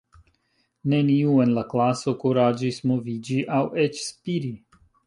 Neniu en la klaso kuraĝis moviĝi aŭ eĉ spiri.